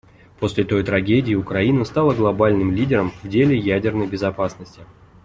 После той трагедии Украина стала глобальным лидером в деле ядерной безопасности.